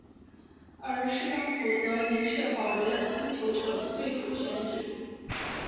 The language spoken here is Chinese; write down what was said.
而市政府则明确保留了新球场的最初选址。